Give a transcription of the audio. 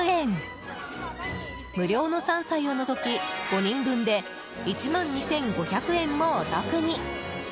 無料の３歳を除き５人分で１万２５００円もお得に。